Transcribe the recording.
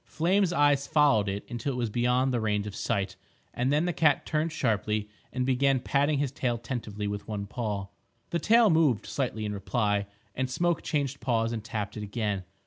Flame's eyes followed it until it was beyond the range of sight, and then the cat turned sharply and began patting his tail tentatively with one paw. The tail moved slightly in reply, and Smoke changed paws and tapped it again.